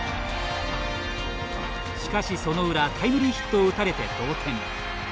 しかし、その裏タイムリーヒットを打たれて同点。